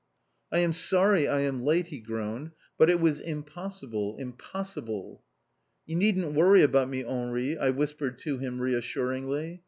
"I am sorry I am late," he groaned, "but it was impossible, impossible." "You needn't worry about me, Henri," I whispered to him reassuringly.